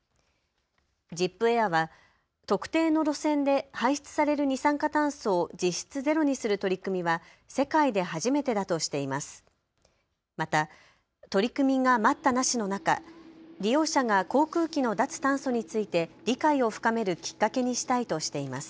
ジップエアは特定の路線で排出される二酸化炭素を実質ゼロにする取り組みは世界で初めてだとしています。